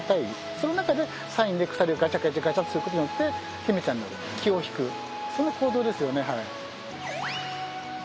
その中でサインで鎖をガチャガチャガチャってすることによって媛ちゃんの気をひくそんな行動ですよね。